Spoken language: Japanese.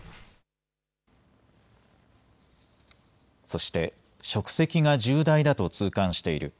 そして職責が重大だと痛感している。